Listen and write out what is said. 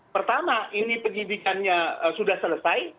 pertama ini penyidikannya sudah selesai